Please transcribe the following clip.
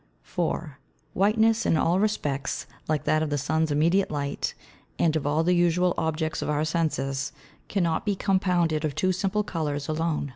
4. Whiteness, in all respects like that of the Sun's immediate Light, and of all the usual Objects of our Senses, cannot be compounded of two Simple Colours alone.